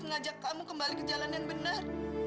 mau kembali ke jalan yang benar